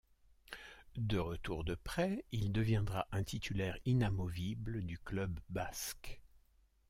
De retour de prêt, il deviendra un titulaire inamovible du club basque.